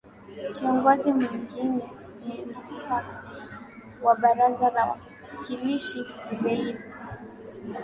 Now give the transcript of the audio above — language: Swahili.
Kiongozi mwengine ni Spika wa Baraza la Wawakilishi Zubeir Ali Maulid